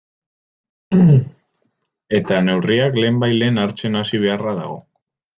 Eta neurriak lehenbailehen hartzen hasi beharra dago.